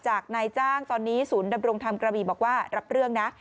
นายจ้างตอนนี้ศูนย์ดำรงธรรมกระบี่บอกว่ารับเรื่องนะ